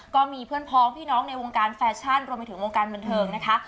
ก็มีเพื่อนพ้องพี่น้องในวงการแฟชั่นรวมไปถึงวงการบันเทิงนะคะ